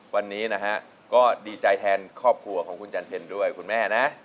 วันนี้นะฮะก็ดีใจแทนครอบครัวของคุณจันเพลด้วยคุณแม่นะ